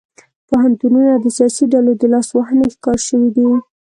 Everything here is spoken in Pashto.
پوهنتونونه د سیاسي ډلو د لاسوهنې ښکار شوي دي